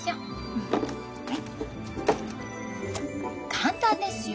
簡単ですよ。